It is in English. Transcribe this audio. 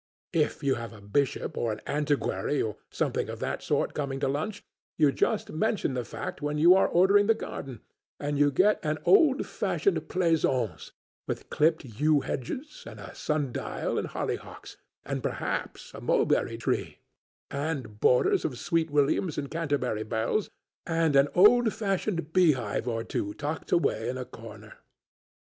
If you have a bishop or an antiquary or something of that sort coming to lunch you just mention the fact when you are ordering the garden, and you get an old world pleasaunce, with clipped yew hedges and a sun dial and hollyhocks, and perhaps a mulberry tree, and borders of sweet williams and Canterbury bells, and an old fashioned beehive or two tucked away in a corner.